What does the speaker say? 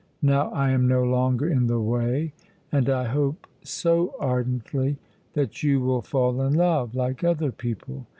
Now I am no longer in the way, and I hope, so ardently, that you will fall in love, like other people.